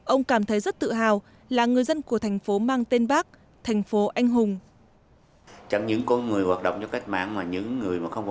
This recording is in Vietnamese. ông cảm thấy rất tự hào là người dân của thành phố mang tên bác thành phố anh hùng